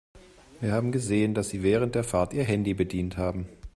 Wir haben gesehen, dass Sie während der Fahrt Ihr Handy bedient haben.